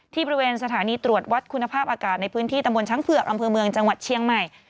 บริเวณสถานีตรวจวัดคุณภาพอากาศในพื้นที่ตำบลช้างเผือกอำเภอเมืองจังหวัดเชียงใหม่